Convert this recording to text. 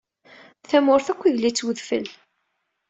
Tamurt akk idel-itt wedfel.